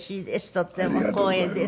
とっても光栄です。